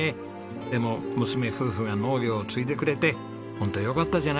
でも娘夫婦が農業を継いでくれてホントよかったじゃないですか。